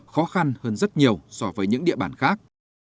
khó khăn hơn rất nhiều so với những địa bàn khác